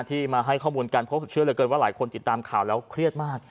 ที่มาให้ข้อมูลกันเพราะผมเชื่อเหลือเกินว่าหลายคนติดตามข่าวแล้วเครียดมาก